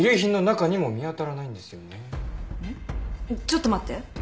ちょっと待って。